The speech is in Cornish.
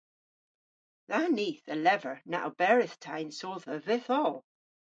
Dha nith a lever na oberydh ta yn sodhva vytholl.